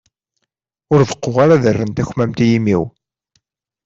Ur beqquɣ ara ad rren takmamt i yimi-w.